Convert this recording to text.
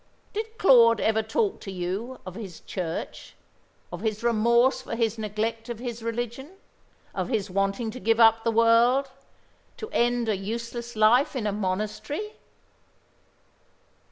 Did Claude ever talk to you of his Church, of his remorse for his neglect of his religion, of his wanting to give up the world, to end a useless life in a monastery?"